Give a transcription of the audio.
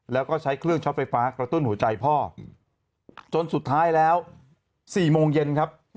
แล้วก็ใช้เครื่องช็อตไฟฟ้ากระตุ้นหัวใจพ่อจนสุดท้ายแล้ว๔โมงเย็นครับ